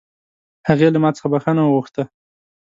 هغې له ما څخه بښنه وغوښته